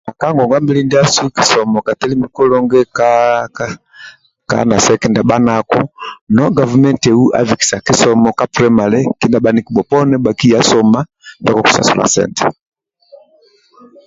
Ka ngongua mbili ndiasu kisomo ka telemi kulungi ka ka naseke ndia bhanako no gavumenti u abikisa kisomo sa kitelu ka pulemale kindia bhaniki bhoponi bhakiya soma ndio kosasuli sente